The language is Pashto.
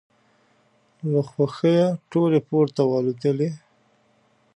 له خوښیه ټولې پورته والوتلې.